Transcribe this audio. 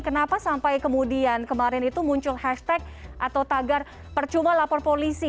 kenapa sampai kemudian kemarin itu muncul hashtag atau tagar percuma lapor polisi